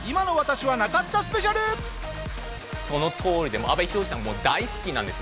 そのとおりでもう阿部寛さんが大好きなんです。